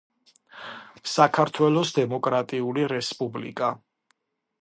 საქართველოს დამოკრატიული რესპუბლიკა